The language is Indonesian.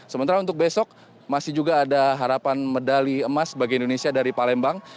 sementara untuk besok masih juga ada harapan medali emas bagi indonesia dari palembang